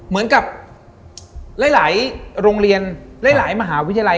เหมือนกับหลายโรงเรียนหลายมหาวิทยาลัย